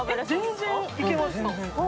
全然いけますよ。